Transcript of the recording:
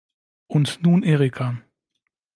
Und nun Erika.